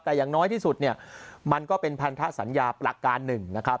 แต่อย่างน้อยที่สุดเนี่ยมันก็เป็นพันธสัญญาประการหนึ่งนะครับ